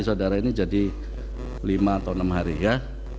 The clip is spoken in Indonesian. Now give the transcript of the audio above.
saudara ini jadi lima atau enam hari ya